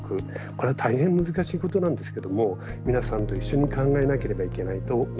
これは大変難しいことなんですけども皆さんと一緒に考えなければいけないと思っています。